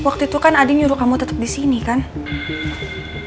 ini waktu itu kan ada nyuruh kamu tetap di sini kan waktu kamu salah tanggal hingga nikah